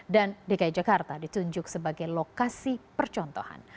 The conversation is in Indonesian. dan dki jakarta ditunjuk sebagai lokasi percontohan